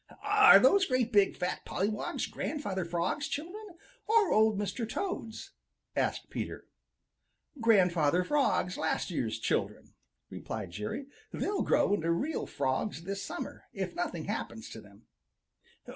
"Are those great big fat pollywogs Grandfather Frog's children, or Old Mr. Toad's?" asked Peter. "Grandfather Frog's last year's children," replied Jerry. "They'll grow into real Frogs this summer, if nothing happens to them."